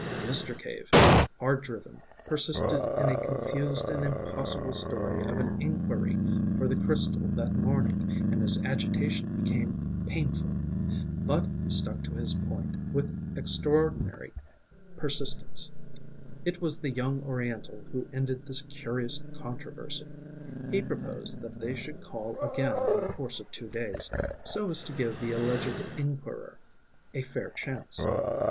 Mr. Cave, hard driven, persisted in a confused and impossible story of an enquiry for the crystal that morning, and his agitation became painful. But he stuck to his point with extraordinary persistence. It was the young Oriental who ended this curious controversy. He proposed that they should call again in the course of two days so as to give the alleged enquirer a fair chance.